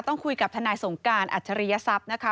ต้องคุยกับทนายสงการอัจฉริยศัพย์นะคะ